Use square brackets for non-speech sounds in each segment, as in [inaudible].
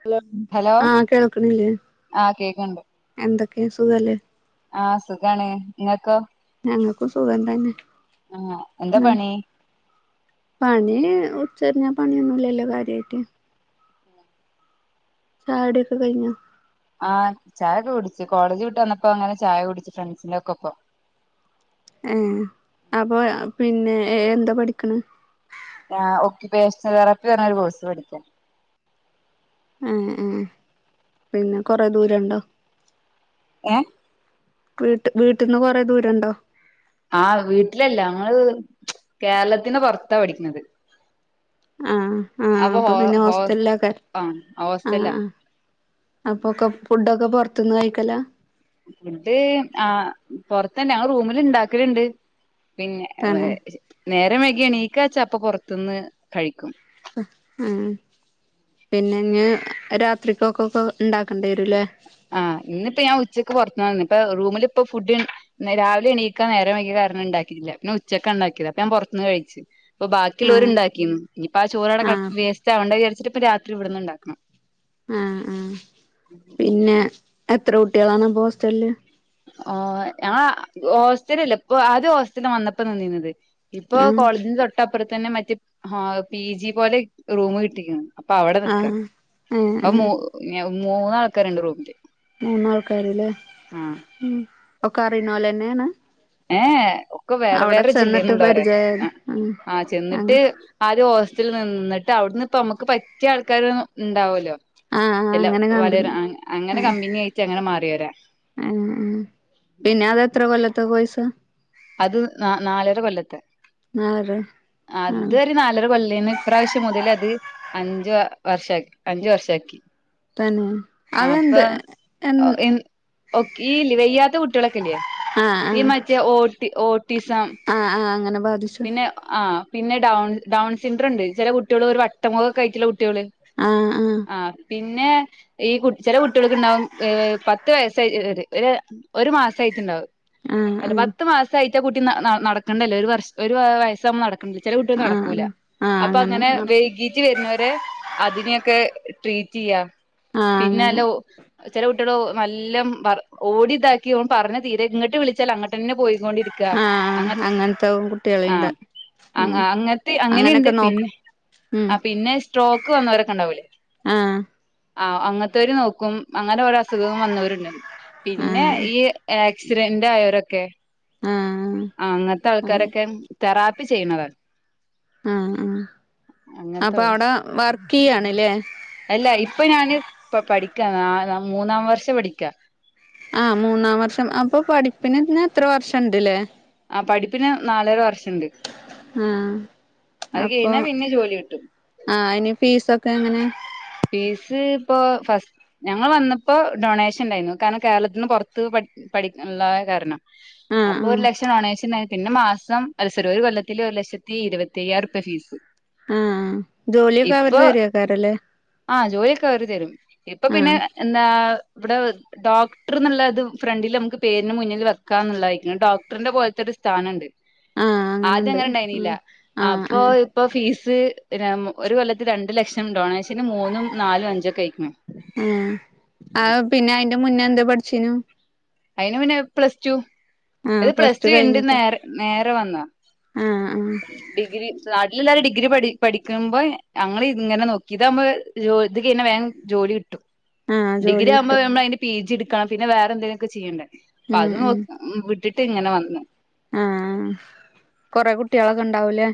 Hello hello ആഹ് കേൾക്കണില്ലേ ആഹ് കേക്ക്ണ്ട് എന്തൊക്കെയാ സുഖല്ലേ ആഹ് സുഖാണ് നിങ്ങക്കോ? ഒ സുഖതന്നെ എന്താ പണി പണീ ഒ ചെറിഞ്ഞാ പണിയൊന്നുംല്ലല്ലോ കാര്യായിട്ട് ചായടിഒക്കെ കൈഞ്ഞൊ ആഹ് ചായൊക്കെ കുടിച്ചു കോളേജ് വിട്ട് വന്നപ്പോ അങ്ങനെ ചായ കുടിച്ചു ഫ്രണ്ട്സിന്റെ ഒക്കെപ്പൊ ഏ അപ്പൊ പിന്നെ എന്താ പഠിക്കണ്? ഓക്കുപേഷൻ തെറാപ്പി പറഞ്ഞ ഒരു കോഴ്സ് പഠിക്ക എ ഏ ആ പിന്നെ കൊറെ ദൂരണ്ടോ? ഏ വീട്ട വീട്ടിൽന്ന് കൊറെേ ദൂരണ്ടോ? ആഹ് വീട്ടിലല്ല ങ്ങൾ ച്ച്ച കേരളത്തിന് പൊറത്താ പഠിക്കുന്നത് ആഹ് ആഹ് അപ്പൊ പിന്നെ ഹോ ഹോസ്റ്റലിലക്കെ ആഹ് ആ ഹോസ്റ്റലാ അപ്പൊക്കെ ഫുഡൊക്കെ പൊറത്തുന്ന് കഴിക്കല ഫുഡ് ആ പൊറത്തന്നെ ഞങ്ങ റൂമിൽ ഇണ്ടാക്കല്ണ്ട് പിന്നെ വേ തന്നെ നേര വൈഗി എണീക്കാചപ്പ പുറത്തുന്ന് കഴിക്കും അ ആഹ് പിന്നെ ഇഞ് രാത്രിക്കൊക്ക ഒക്കെ ഉണ്ടാക്കണ്ടി വരൂല്ലേ ആഹ് ഇന്നിപ്പോ ഞാൻ ഉച്ചക്ക് പുറത്തുന്നന്ന് ഇപ്പൊ റൂമിലിപ്പ ഫുഡ് രാവിലെ എണീക്കാ നേരരെ വൈഗ കാരണ ണണ്ടാക്കില്ല പിന്നെ ഉച്ചൊക്കെ ഉണ്ടാക്കിയത് അപ്പ ഞാ പുറത്തുന്ന് കഴിച്ച് ഇപ്പൊ ബാക്കി ഉള്ളോരു ആഹ് ഇണ്ടാക്കിന്ന്. ഇനിപ്പൊ ആ ചോറട കടന്ന ആഹ് വേസ്റ്റ് ആകണ്ട വിചരിച്ചിട്ടിപ്പം രാത്രി ഇവിടുന്ന്ണ്ടാക്കണം ആഹ് ആ പിന്നെ എത്ര കുട്ടികളാണ് അപ്പൊ ഹോസ്റ്റലില് ഓ ഞങ്ങള ഹോസ്റ്റലല്ല ഇപ്പൊ ആദ്യ ഹോസ്റ്റല് വന്നപ്പോ നിന്നീന്നത് ഇപ്പൊ ആഹ് കോളേജിന്റെ തൊട്ടപ്പുറ തന്നെ മറ്റ പി ജി പോലെ റൂം കിട്ടിക്ണ് അപ്പൊ അവിടെ നിക്ക ആഹ് ഏഹ് അപ്പൊ ഏഹ് മൂ മൂന്നാൾക്കാര്ണ്ട് റൂമില് മൂന്നാൾക്കാര് ലേ ആഹ് ഒക്ക അറിണൊലന്നെയാണ്? ഏ എ ഒക്കെ വേറെ വേറെ ജില്ലയിള്ളേര പരിചയായ ഉം ആഹ് ചെന്നിട്ട് ആദ്യ ഹോസ്റ്റലിൽ നിന്നിട്ട് അവിടുന്ന് ഇപ്പ നമ്മുക്ക് പറ്റിയ ആൾക്കാര ഉണ്ടാവല്ലോ ആഹ് ആഹ് എല്ല അങ്ങനെ കമ്പനി വളരെ അങ്ങനെ ആഹ് കമ്പിനി ആയിട്ട അങ്ങനെ മാറിയൊരാ ആഹ് ആഹ് പിന്നെ അതെത്ര കൊല്ലത്തെ കൊഴ്സ അത് ന നാലര കൊല്ലത്തെ നാലര ആഹ് അദ്ദൊരു നാലര കൊല്ലെന്നു ഇപ്രാവ്ശ്യം മുതൽ അത് അഞ്ചു വർഷ അഞ്ചു വർഷാക്കി. തന്നെ ആ അപ്പൊ അതെന്ത് അ ഒ എൻ ഒക് ഈ ല്ലെ വെയ്യാത്ത കുട്ടിയാളൊക്കെല്ലേ. ആഹ് ഈ ആഹ് മറ്റെ ഓ ട്ടിസം ആഹ് ആഹ് അങ്ങനെ ബാധിച്ചു പിന്നെ ആഹ്. പിന്നെ ഡൗൺ ഡൗൺ സിംഡ്രണ്ട് ചെല കുട്ടിയൾ ഒരു വട്ടമൊഖക്കയ്ട്ട്ള്ള കു ട്യോൾ ആഹ് ആഹ് ആ പിന്നെ ഈ കു ചെല കുട്ടിയൾക്ക് ഉണ്ടാവും ഹ് പത്ത് വയസായി ഹ് ഹ് ഒര് ഒരു മാസയിട്ടുണ്ടാവും ആഹ് അല്ല ആഹ് പത്ത് മാസ ആയിട്ട കുട്ടി ന ന നടക്കണ്ടല്ലെ ഒരു വർഷം ഒരു വയസ്സാവുമ്പോ നടക്ക ചെല കുട്ടിയൾ ആഹ് നടക്കൂല ആഹ് അപ്പൊ അങ്ങനെ നടക്കും വൈകീട്ട് വരുന്നവരെ അധിക ഏ ക്കെ ട്രീറ്റ് യ്യ ആഹ് അങ്ങനെ പിന്നലോ ചെല കുട്ടിള് ഒം നല്ലം വ ഓടി താക്കി ഓൻ പറഞ്ഞ തീരെ ഇങ്ങട്ട് വിളിച്ചാൽ അങ്ങട്ടന്നെ പോയി ണ്ടിരിക്ക ആഹ് അങ്ങത്തെ അങ്ങനത്തെ കുട്ടികളുണ്ട് ആഹ് അ ഉം അങ്ങൻത്തെ അങ്ങനെയുണ്ട് അങ്ങനൊക്കെ നോക്ക് പിന്നെ ഉം ആ പിന്നെ സ്ട്രോക്ക് വന്നോരൊക്കെ ഉണ്ടാവൂലേ ആഹ് ആഹ് അങ്ങൻത്തോര് നോക്കും അങ്ങനെ ഓരോ അസുഖം വന്നോരുണ്ട് പിന്നെ ആഹ് ഈ ഏ ആക്സിഡന്റായോരൊക്കെ ആഹ് ആ അങ്ങൻത്തെ ആഹ് ആൾക്കാരൊക്കെ. തെറാപ്പി ചെയ്യ്ണത് ആഹ് ആ അപ്പൊ അഉടെ വർക്ക് യ്യാണ്ല്ലേ. നി പ്പ പഠിക്ക നാല മൂന്നാം വർഷം പഠിക്കാ ആഹ് മൂന്നാം വർഷം അപ്പൊ പഠിപ്പിനെന്നെ എത്ര വർഷം ഇണ്ട്ലെ? ആ പഠിപ്പിന് ഹ് നാലര വർഷണ്ട്. ഹ്മ് അത് അപ്പൊ കഴിഞ്ഞാ പിന്നെ ജോലി കിട്ടും ആ അയിന് ഫീസൊക്കെ എങ്ങനെ? ഫീസ് ഇപ്പോ ഫസ് ഞങ്ങൾ വന്നപ്പോ ഡൊണേഷൻ ഉണ്ടായിന്നു കാരണം കേരളത്തിന്ന് പൊറത്ത് പട് പഠിക്ക ള്ളായ കാരണം ആഹ് അപ്പൊ ആഹ് ഒരു ലക്ഷം ടൊണേഷ പിന്നെ മാസം സിറി ഒരു കൊല്ലത്തില് ഒരു ലക്ഷത്തി ഇരുവത്തയ്യായിരം ഉർപ്യ ഫീസ്. ആഹ് ജോലിയൊക്കെ അവര് ഇപ്പൊ തെരോക്കാരലെ ആഹ് ജോലിയൊക്കെ അവര് തരും ഇപ്പൊ പിന്നെ ഹ് എന്താ ഇവിടെ വെ ഡോക്ടർന്നുള്ളത് ഫ്രണ്ടിൽ നമുക്ക് പേരിന് മുന്നിൽ വെക്കാന്ന്ള്ളയിക്ണ് ഡോക്ടറിന്റെ പോൽത്തൊര് സ് സാനണ്ട് ആഹ് ആദ്യ അങ്ങനെണ്ട് ആങ്ങനെണ്ടായിന്നില്ല ആഹ് ആഹ് അപ്പൊ ആഹ് ഇപ്പോ ഫീ സ് രം ഒരു കൊല്ലത്ത് രണ്ട് ലക്ഷം ഡോണേഷന് മൂന്നും നാലും അഞ്ചും ക്കെ അയിക്ണ് ആ ആഹ് പിന്നെ അയിന്റെ മുന്നേ ന്താ പഠിച്ചീനു അയിന് പിന്നെ പ്ലസ് ടു ഇത് പ്ലസ് ടു കൈഞ്ഞ്ട്ട് നേ നേരെ വന്നാ ആഹ് ആഹ് ഡിഗ്രി നാട്ടിൽല്ലോരെ ഡി ഗ്രി പഠി പഠിക്കുമ്പോ ഞങ്ങൾ ഇങ്ങനെ നോക്കി ഇതാവുമ്പോ ഹ് ജോ ഇത് കൈഞ്ഞാ വേഗം ജോലി കിട്ടും. ആഹ് ഡിഗ്രി ജോലി ആവുമ്പോ കിട്ടു നമ്മൾ അയിന്റെ പി ജി ഇടുക്കണം പിന്നെ വേറെ എന്തെങ്കിലൊക്കെ ചെയ്യണ്ടേ പ്പ ഉം അത് നോ ഉം വിട്ടിട്ട് ഇങ്ങനെ വന്നു ആഹ് കൊറെ കുട്ടിയളൊക്കെ ഉണ്ടാവൂലേ?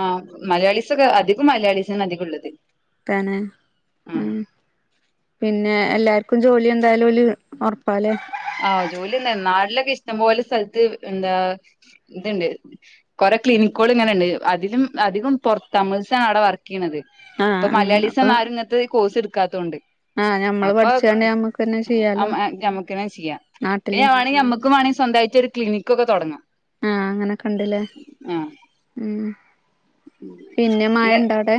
ആഹ് മലയാളിസൊക്കെ അധികം മലയാളിസന് അധികംള്ളത്. തന്നെ ഉം പിന്നെ എല്ലാർ ക്കു ജോലി എന്തായാലു ഓല് ഒറപ്പാലെ ആഹ് ജോലിയെന്നെ നാട്ടിലൊക്കെ ഇഷ്ടം പോലെ സ്ഥലത്ത് എന്താ ഇത്ണ്ട് കൊ ടെ ക്ലിനിക്കുൾ ഇങ്ങനെണ്ട് അതിലും അധികം പൊർ തമിഴ്സാ അവിടെ വർക്കയ്യ്ണത് ആഹ് ഇപ്പൊ ആഹ് അപ്പൊ മലയാളിസൊന്നും ആരും ഇങ്ങൻത്തെ ഈ കോഴ്സ് എടുക്കാത്തോണ്ട് ആഹ് ഞമ്മള് അപ്പൊ പഠിച്ചാണ്ട് ഞമ്മക്കന്നെ ഹ് ചെയ്യാലോ ആഹ് ഞമ്മക്ക് ണങ്കി ചെയ്യാം നാട്ടില് പിന്നെ വേണെങ്കി നമ്മുക്ക് വേണെങ്കി സ്വന്തായിട്ട് ഒരു ക്ലിനിക്കൊക്കെ തൊടങ്ങാം. ആ അങ്ങനൊക്കെ ഉണ്ട്ലെ ആ ഉം പിന്നെ മയണ്ടാ അവിടെ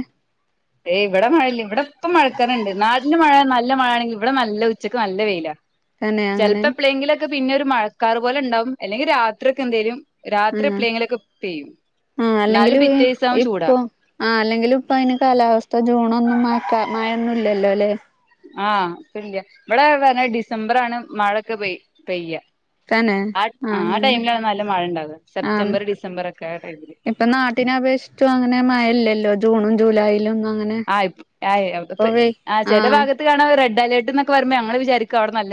ഏയ് ഇവിടെ മയല്ല്യ ഇവിടെ ഇപ്പം മഴക്കറുണ്ട് നാട്ടിൽ മയ നല്ല മഴ ആണെങ്കി ഇവിടെ നല്ല ഉച്ചക്ക് നല്ല വൈലാ തന്നെ അങ്ങനെ ചെലപ്പപ്പെളെങ്കിലുമൊക്കെ പിന്നൊരു മഴക്കാറു പോലുണ്ടാവും അല്ലെങ്കിൽ രാത്രിയ്ക്കെന്തേലും രാത്രി ആഹ് എപ്ളേങ്കിലൊക്കെ പെയ്യും ആഹ് എന്നാലും അല്ലെങ്കിലും പിറ്റേസം ആവും ചൂടാ ഇപ്പൊ ആഹ് അല്ലെങ്കിലും ഇപ്പ അയിന് കാലാവസ്ഥ ജൂണൊന്നും മയക്കാ മായേന്നും ഇല്ലല്ലോ അല്ലേ ആഹ് ഇപ്പില്യ ഇവിടെ വേ ഡിസംബറാണ് മയൊക്കെ പെയ് പെയ്യാ തന്നെ ആഹ് ആഹ് ടൈമിലാണ് നല്ല മഴണ്ടാവ സെപ്റ്റംബർ ഡിസംബർ ഒക്കെ ആ ടൈമില് ട്ടിനെ അപേക്ഷിച്ചും അങ്ങനെ മയല്ലല്ലോ ജൂണും ജൂലൈലും ഒന്നും ആയ് ആയെ ആഹ് ചെല ഭാഗത്തു കാണാ റെഡ് അലേർട്ട് ന്നൊക്കെ വരുമ്പം ഞങ്ങള് വിചാരിക്കു അവിടെ നൽ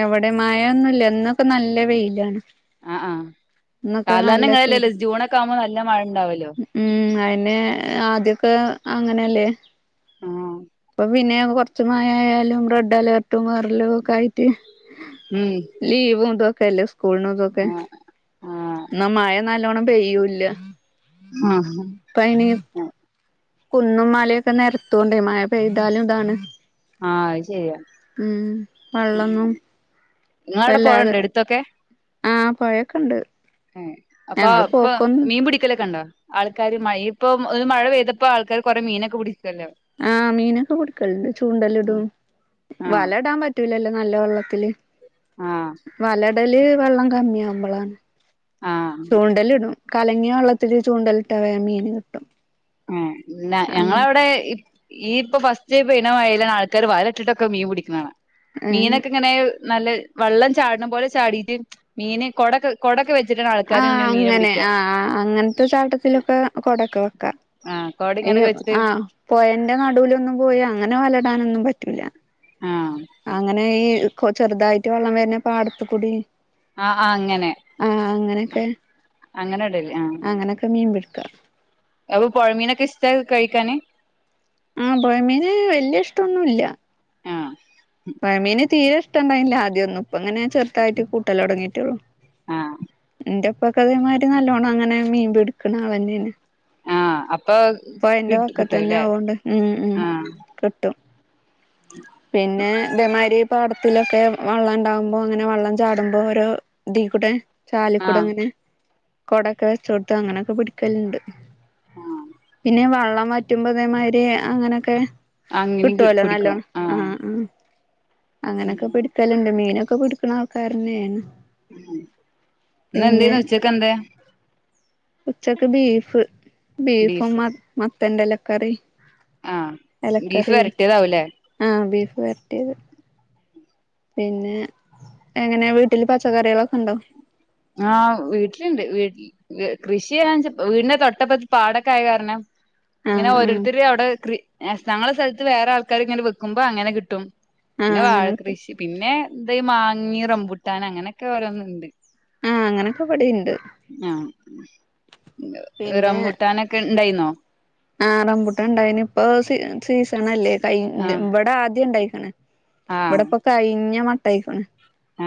എവിടെ മായൊന്നുല്ല ന്നൊക്കെ നല്ല വെയിലാണ് ഇന്നൊക്കെ നല്ല ചൂട് സാധാര്ണങ്ങനല്ലല്ലോ ജൂണൊക്കെ ആവുമ്പം നല്ല മഴ ഇണ്ടാവല്ലോ ഉം അയന്നെ ആദ്യൊക്കെ അങ്ങനല്ലേ ആഹ് പിന്നെ കൊർച് മയ ആയാലും റെഡ് അലേർട്ടും വറലും ഒക്കെ ആയിട്ട് ഉം ലീവു ന്തോക്കെല്ലേ സ്കൂൾ നോതൊക്കെ ആഹ് ആഹ് ല്ലോണം പെയ്യൂല്ല ആഹ് ഇപ്പ അയിന് ആഹ് അഹ് കുന്നും മലയൊക്കെ നെരത്തൂണ്ടേ മയ പെയ്താലും താണ് ആഹ് അയ് ശെരിയാ ഉം വള്ളൊന്നും ങ്ങളടെ പോയണ്ടോ എടുത്തൊക്കെ ആഹ് പൊയോക്കെണ്ട് ഏഹ് അപ്പൊ പ്പം മീൻ പിടിക്കലൊക്കെണ്ടോ ആൾക്കാര് മയ ഇപ്പൊ ഒരു മഴ പെയ്തപ്പോ ആൾക്കാര് കുറെ മീനൊക്കെ പിടി ആഹ് മീനൊക്കെ പിടുക്കലുണ്ട് ചൂണ്ടലിടും ആഹ് വലേടാൻ പറ്റൂലല്ലോ നല്ല വെള്ളത്തില് ആഹ് ടെല് വെള്ളം കമ്മ്യാഉമ്പളാണ് ആഹ് ചൂണ്ടല് ഇടും കലങ്ങിയ വെള്ളത്തില് ചൂണ്ടലിട്ടാ വേ മീനു കിട്ടും ആഹ് ണ അങ്ങനെ ഞങ്ങളവിടെ ഈ ഈ ഇപ്പം ഫസ്റ്റേ പെയ്യ്ണമഴേലാണ് ആൾക്കാര് വല ഇട്ടിട്ടൊക്കെ മീൻ പിടിക്കുന്നതാണാ ഏഹ് മീനൊക്കെ ഇങ്ങനെ നല്ലത് വെള്ളം ചാട്ണ പോലെ ചാടീറ്റ് മീനെ കൊട കൊടൊക്കെ വെക് ആഹ് അങ്ങനെ ആഹ് അങ്ങൻത്തെ ചാട്ടത്തിലൊക്കെ കൊടക്ക ക്ക ആഹ് കൊട ഈ ഇങ്ങനൊക്കെ വെച്ചിട്ട് ആഹ് പൊയന്റെ നടുവിലൊന്നും പോയാ അങ്ങനെ വല ഇടാനൊന്നും പറ്റൂല ആഹ് അങ്ങനെ ഈ കൊ ചെറുതായിട്ട് വെള്ളം വരുന്ന പാടത്തുകൂടി ആഹ് ആഹ് അങ്ങനെ ക്കേ അങ്ങനെടൽ അങ്ങനൊക്കെ മീൻ പിടുക്കാ അപ്പം പൊഴമീനൊക്കെ ഇഷ്ടാ കഴിക്കാന് ഉം പൊഴമീന് വല്ല്യ ഇഷ്ടൊന്നൂല്ല്യ ആഹ് പൊഴാമീന് തീരെ ഇഷ്ട്ടണ്ടായിന്നില്ല ആദ്യോന്നും ഇപ്പങ്ങനെ ചെറുത്തായിട്ട് കൂട്ടലൊടങ്ങിയിട്ടൊള്ളു ആഹ് ന്റെപ് ഇപ്പ [unintelligible] നല്ലോണങ്ങനെ മീമ്പിടിക്ക്ണ ആളെന്നേണ് ആഹ് അപ്പൊ പൊയന്റെ കിട്ട് വക്കത്തന്നെ കിട്ടൂല്ലേ ആവോണ്ട് ഉം ഉം ആഹ് കിട്ടും പിന്നെ മാരി പാടത്തിലൊക്കെ വെള്ളണ്ടാവുമ്പോ അങ്ങനെ വെള്ളം ചാടുമ്പോ ഓരോ ഇതി കൂടെ ആഹ് ചാലിക്കൂടങ്ങനെ കൊടൊക്കെ വെച്ചോട്ത് അങ്ങനെയൊക്കെ പിടിക്കല്ണ്ട് ആഹ് പിന്നെ വള്ളം വറ്റുമ്പ അതേമാതിരി അങ്ങനൊക്കെ അങ്ങനിം കി കിട്ടോലൊ പിടിക്കും നല്ലോണം ആഹ് ഉം അങ്ങനൊക്കെ പിടിക്കലുണ്ട് മീനൊക്കെ പിടിക്കുന്ന ആൾക്കാരന്നേണ് ഉം ഇന്നെന്തേയ്ന്ന് ഉച്ചക്ക് എന്തേ ഉച്ചക്ക് ബീഫ് ബീഫും ബീഫ് മത്തന്റെല ക്കറിം ആഹ് ബീഫ് ഇലക്കറിയും വരട്ടിയതാവൂല്ലേ ആഹ് ബീഫ് വരട്ടിയത് പിന്നെ എങ്ങനെ വീട്ടില് പച്ചക്കറികളൊക്കെ ഉണ്ടോ ആഹ് വീട്ടിലുണ്ട് വീട്ടിൽ കൃഷി ചെയ്യാൻ വീടിന്റെ തൊട്ടപ്പുറത്തു പാടമൊക്കെ ആയതു കാരണം ഇങ്ങനെ ആഹ് ആഹ് ഓരോരുത്തർ അവിടെ കൃ ഞങ്ങളുടെ സ്ഥലത്ത് വേറെ ആൾക്കാര് ഇങ്ങനെ വെക്കുമ്പോ അങ്ങനെ കിട്ടും ആഹ് പിന്നെ അങ്ങനെ കിട്ടും വാഴകൃഷി പിന്നെ എന്താ മാങ്ങി റംബുട്ടാൻ അങ്ങനെയൊക്കെ ഓരോന്നുണ്ട് ആഹ് അങ്ങനൊക്കെ ഇവിടെണ്ട് ആഹ റമ്പൂട്ടാനൊക്കെ ണ്ടായിന്നോ ആ റംമ്പുട്ടാൻ ഉണ്ടായിന് ഇപ്പ സ സീസൺ അല്ലേ ക ആഹ് ഇവിടെ ആദ്യ ണ്ടായി ഇവിടെപ്പൊ കഴിഞ്ഞ മട്ടായിക്കണ് ആ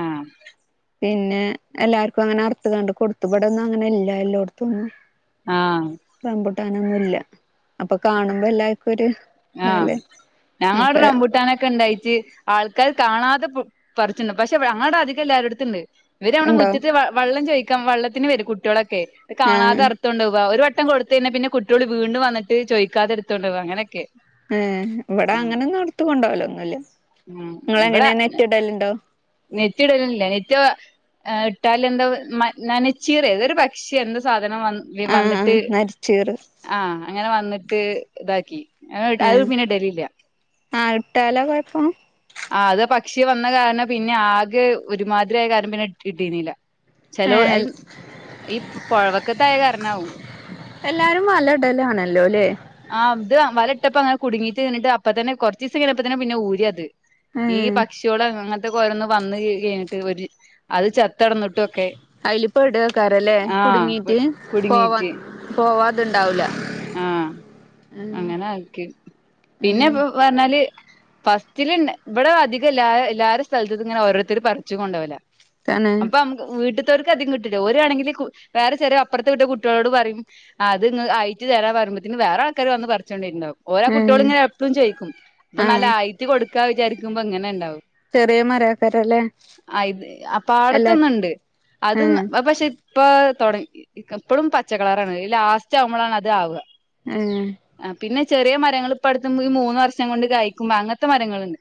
പിന്നെ എല്ലാർക്കും അങ്ങനെ അറുത്ത് കണ്ട് കൊടുത്തുപടൊന്നും അങ്ങനെ ഇല്ല എല്ലോടത്തന്നും ആഹ് റംമ്പുട്ടാനൊന്നുല്ല അപ്പൊ കാണുമ്പോ എല്ലാ ആഹ് ഞങ്ങളവിടെ അപ്പൊ റംമ്പൂട്ടാനൊക്കെ ണ്ടായിട്ട് ആൾക്ക ക്കാർ കാണാതെ പറിച്ചിണ്ട് പക്ഷെ അങ്ങടെ അധികം എല്ലാരുടെ അടുത്തുണ്ട് ഇവര് നമ്മടെ ഇണ്ടോ മുറ്റത്ത് വെള്ളം ചോദിക്കും വെള്ളത്തിന് വരും കുട്ടികളൊക്കെ കാണാതെ ആഹ് അറുത്തു കൊണ്ട് പോവാ ഒരു പട്ടം കൊടുത്ത തന്നെ പിന്നെ കുട്ടികൾ വീണ്ട വന്നിട്ട ചോദിക്കാതെടുത്തോണ്ട് പോവാ അങ്ങനൊക്കെ ഏ ഇവിടെ അങ്ങനെ ഒന്നും ഇട്ത്ത് കൊണ്ടാവലോ ഒന്നുല്ല ഉം ങ്ങൾ എങ്ങനെ ഇവിടെ നെറ്റിടലുണ്ടോ നെറ്റ് ഇടലില്ല നെറ്റ് ഇട്ടാൽ എന്താ നനച്ചീറ ഏതൊരു പക്ഷി എന്താ സാധ അ ആഹ് വന്നിട്ട് ആഹ് നരിച്ചീറ് ആഹ അങ്ങനെ വന്നിട്ട് ഇതാക്കി ആ അത് പിന്നെ ഇടലില്ല ആ ഇട്ടാലോ കൊയപ്പം ആ അത് പക്ഷി വന്ന കാരണം പിന്നെ ആകെ ഒരുമാതിരി ആയ കാരണം പിന്നെ ഇട്ടിട്ടിരുന്നില്ല ചെലോ ഏഹ് അത് ഈ പുഴവക്കത്ത ആയ കാരണകും ഉണ്ടലാണല്ലോ അല്ലേ ആ ത് വല ഇട്ടപ്പ അങ്ങനെ കുടുങ്ങിട്ട് നിന്നിട്ട് അപ്പ തന്നെ കുറച്ച് ഇസം കിഞ്ഞപ്പ തന്നെ പിന്നെ ഊരി അത് ഈ ഏഹ് പക്ഷികള് അങ്ങനത്തെക്ക ഓരന്ന് വന്ന് കഴിഞ്ഞിട്ട് ഒരു അത് ച്ചത് അത്തടന്നിട്ടൊക്കെ അയില് പെടേക്കാരല്ലേ ആ കുടുങ്ങീട്ട് പോവാൻ കുടുങ്ങീട്ട് പോവാതുണ്ടാവൂല ആഹ ഉം അങ്ങനെ ആക്കി ഉം പിന്നെപ്പോ പറഞ്ഞാല് ഫസ്റ്റിലുണ്ട് ഇവിടെ അധികം എല്ലാ എല്ലാരു സ്ഥലത്തും ഇങ്ങനെ ഓരോരുത്തർ പറിച്ചു കൊണ്ടോകല തന്നെ അപ്പൊ നമുക്ക് വീട്ട ട്ടോൾക്ക് ഇവർക്ക് അധികം കിട്ടില്ല ഒരാണെങ്കിൽ വേറെ ചെറിയ അപ്പുറത്ത് വീട്ടിലെ കുട്ടികളോട് പറയും അത് നി ആയി തരാ പരിമ്പോത്തിന് വേറെ ആൾക്കാര് വന്ന് പറിച്ചോണ്ട് പോയിട്ടുണ്ടാകും ഓരോ കുട്ടികളും ഏഹ് ഇങ്ങനെ എപ്പോഴും ചോയിക്കും അപ്പൊ ആഹ് നല്ലയിറ്റ് കൊടുക്കാ വിചാരിക്കുമ്പോ ഇങ്ങനെ ണ്ടാവും ചെറിയ മരാക്കാരല്ലേ ആയിത് എല്ലാ പാടത്തൊന്നുണ്ട് അത് ഏഹ് ങ് പക്ഷെ ഇപ്പൊ തുടങ്ങി എപ്പോഴും പച്ചക്കളറാണ് ഈ ലാസ്റ്റ് ആവുമ്പോളാണ് അത് ആവുക ഏ പിന്നെ ചെറിയ മരങ്ങൾ ഇപ്പ അടുത്ത് നമുക്ക് മൂന്ന് വർഷം കൊണ്ട് കായ്ക്കുമ്പോ അങ്ങനത്തെ മരങ്ങളുണ്ട്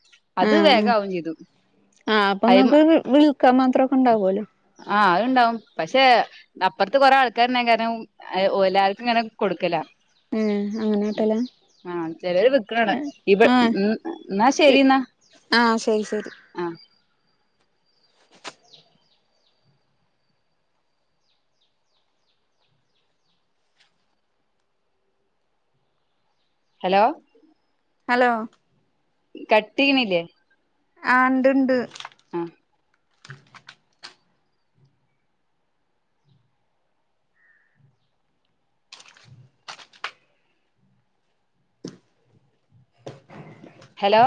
ആ അത് വേഗാവും ചെയ്തു ആ അപ്പൊ അയ്മ ങ്ങക്ക് വിൽക്കാൻ മാത്രൊക്കെ ണ്ടാവുല്ലോ ആഹ അതുണ്ടാവും പക്ഷെ അപ്പുറത്തെ കൊറെ ആൾക്കാരുള്ള കാരണം എല്ലാർക്കും ഇങ്ങനെ കൊടുക്കല ഉം അങ്ങനൊട്ടല ആഹ ചിലവര് വിൽക്കണ് അവിടെ ഇവർ ഉ എന്നാ ശരി എന്നാ ആ ശരി ശരി ആഹ് ഹലോ ഹലോ കട്ട്‌ ചെയ്യണില്ലേ ആണ്ട്ണ്ട് ആഹ് [unintelligible] ഹലോ